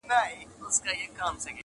په زرگونو حاضر سوي وه پوځونه!!